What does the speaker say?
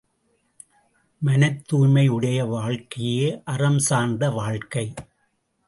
மனத்தூய்மை உடைய வாழ்க்கையே அறம் சார்ந்த வாழ்க்கை.